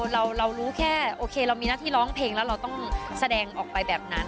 เรารู้แค่โอเคเรามีหน้าที่ร้องเพลงแล้วเราต้องแสดงออกไปแบบนั้น